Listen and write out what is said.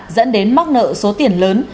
dẫn đến mắc nợ số tiền lớn